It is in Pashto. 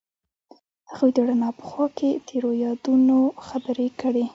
هغوی د رڼا په خوا کې تیرو یادونو خبرې کړې.